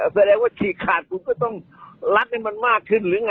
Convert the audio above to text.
แปลแดงว่ากลลี่ขาดคุณก็ต้องลัดให้มากขึ้น